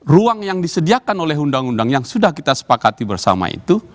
ruang yang disediakan oleh undang undang yang sudah kita sepakati bersama itu